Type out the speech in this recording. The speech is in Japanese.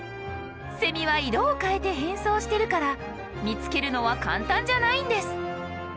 セミは色を変えて変装してるから見つけるのは簡単じゃないんです。